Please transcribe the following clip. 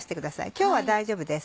今日は大丈夫です。